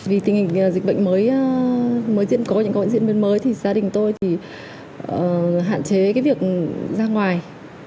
vì tình hình dịch bệnh mới diễn có dịch bệnh mới diễn mới gia đình tôi hạn chế việc ra ngoài